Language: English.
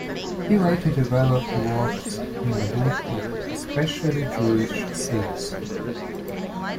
He later developed works in wood of especially Jewish themes.